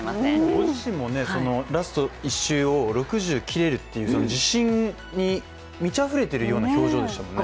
ご自身も、ラスト１周を６０切れるという自信に満ちあふれてるような表情でしたもんね。